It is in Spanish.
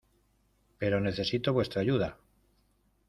Pero necesito vuestra ayuda.